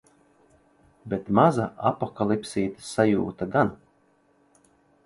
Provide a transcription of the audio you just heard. Bet maza apokalipsītes sajūta gan.